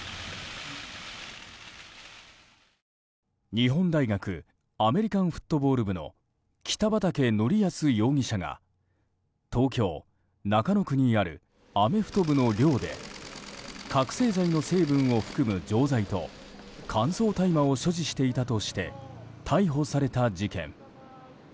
日本大学アメリカンフットボール部の北畠成文容疑者が東京・中野区にあるアメフト部の寮で覚醒剤の成分を含む錠剤と乾燥大麻を所持していたとして逮捕された事件。